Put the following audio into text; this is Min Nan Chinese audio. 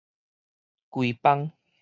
整邦